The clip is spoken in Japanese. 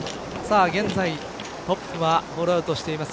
現在トップはホールアウトしています